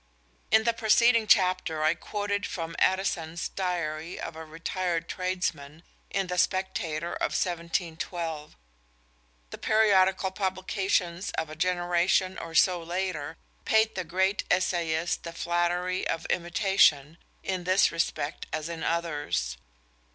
In the preceding chapter I quoted from Addison's diary of a retired tradesman in the Spectator of 1712. The periodical publications of a generation or so later paid the great essayist the flattery of imitation in this respect as in others.